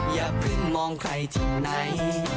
อย่าเพิ่งมองใครที่ไหน